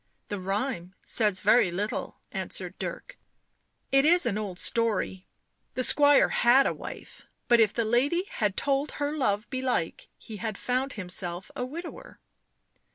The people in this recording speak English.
" The rhyme says very little," answered Dirk. " It is an old story— the squire had a wife, but if the lady had told her love belike he had found himself a widower."